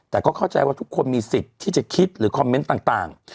แต่ก็เข้าใจว่าทุกคนมีสิทธิ์ที่จะคิดหรือคอมเมนต์ต่าง